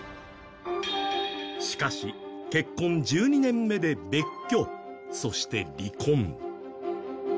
しかし、結婚１２年目で別居そして離婚。